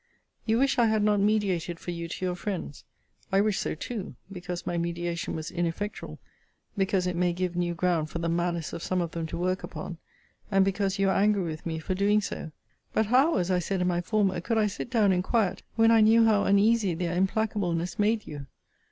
You wish I had not mediated for you to your friends. I wish so too; because my mediation was ineffectual; because it may give new ground for the malice of some of them to work upon; and because you are angry with me for doing so. But how, as I said in my former, could I sit down in quiet, when I knew how uneasy their implacableness made you?